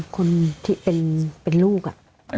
คนที่เป็นเป็นลูกอ่ะ